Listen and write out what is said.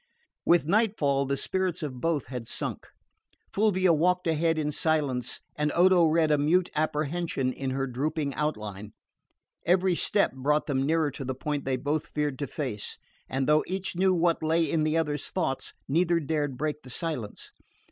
With nightfall the spirits of both had sunk. Fulvia walked ahead in silence and Odo read a mute apprehension in her drooping outline. Every step brought them nearer to the point they both feared to face, and though each knew what lay in the other's thoughts neither dared break the silence.